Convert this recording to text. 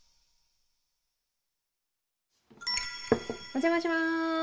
お邪魔します。